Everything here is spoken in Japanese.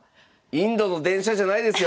インドの電車じゃないですよ！